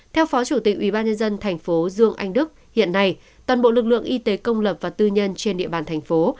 theo phó chủ tịch ubnd tp dn hiện nay toàn bộ lực lượng y tế công lập và tư nhân trên địa bàn thành phố